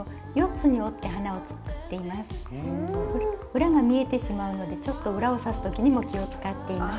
裏が見えてしまうのでちょっと裏を刺す時にも気を遣っています。